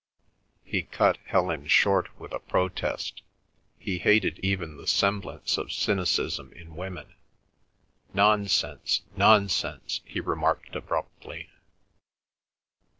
He cut Helen short with a protest. He hated even the semblance of cynicism in women. "Nonsense, nonsense," he remarked abruptly.